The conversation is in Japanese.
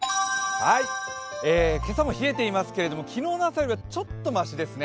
今朝も冷えていますけども、昨日の朝よりはちょっとましですね。